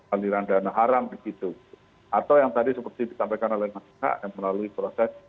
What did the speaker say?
aliran dana haram begitu atau yang tadi seperti disampaikan oleh masyarakat yang melalui proses